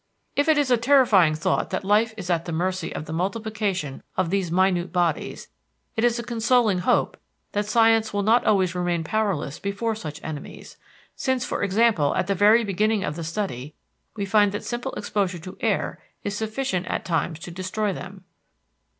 If it is a terrifying thought that life is at the mercy of the multiplication of these minute bodies, it is a consoling hope that Science will not always remain powerless before such enemies, since for example at the very beginning of the study we find that simple exposure to air is sufficient at times to destroy them.